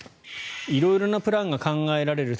色々なプランが考えられる。